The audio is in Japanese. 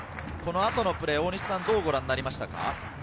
このあとのプレー、どうご覧になりましたか？